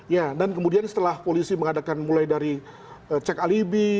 ya dan kemudian setelah polisi mengadakan mulai dari cek alibi